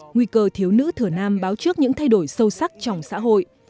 nguy cơ thiếu nữ thờ nam báo trước những thay đổi sâu sắc trong xã hội